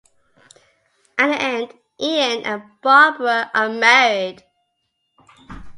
At the end, Ian and Barbara are married.